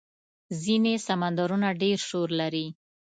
ځینې سمندرونه ډېر شور لري.